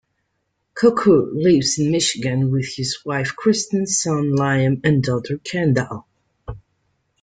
Kocur lives in Michigan with his wife Kristen, son Liam, and daughter Kendall.